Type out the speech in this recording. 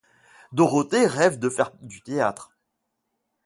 Dorothée rêve de faire du théâtre.